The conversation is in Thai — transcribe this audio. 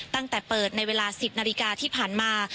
ตั้งแต่เปิดในเวลา๑๐นาฬิกาที่ผ่านมา